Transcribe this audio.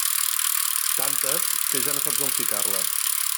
Tantes, que ja no sap on ficar-les.